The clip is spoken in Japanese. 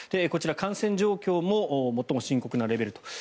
こちら、感染状況も最も深刻なレベルと。